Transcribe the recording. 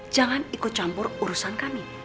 jangan ikut campur urusan kami